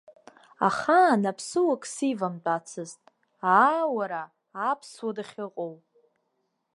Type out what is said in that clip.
Ахаан аԥсыуак сивамтәацызт, аа, уара, аԥсуа дахьыҟоу!